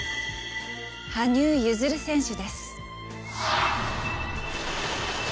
羽生結弦選手です。